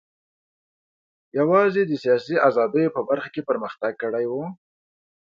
یوازې د سیاسي ازادیو په برخه کې پرمختګ کړی و.